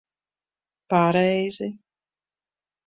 Pareizi.